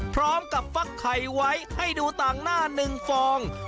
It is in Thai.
พร้อมกับฟักไข่ไว้ให้ดูต่างหน้า๑ฟอง